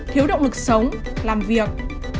bốn thiếu động lực sống làm việc